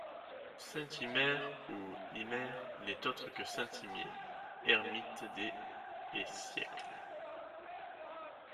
Saint Hymer ou Himer n'est autre que saint Himier, ermite des et siècles.